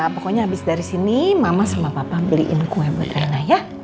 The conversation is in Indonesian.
pokoknya habis dari sini mama sama papa beliin kue buat anda ya